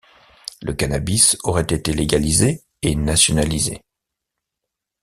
Le cannabis aurait été légalisé et nationalisé.